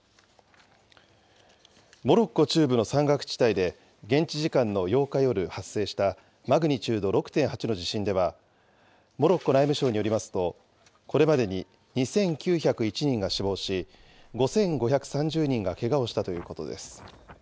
モロッコ中部の山岳地帯で現地時間の８日夜発生したマグニチュード６．８の地震では、モロッコ内務省によりますと、これまでに２９０１人が死亡し、５５３０人がけがをしたということです。